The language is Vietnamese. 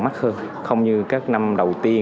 mắc hơn không như các năm đầu tiên